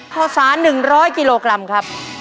ข้าวสาร๑๐๐กิโลกรัมครับ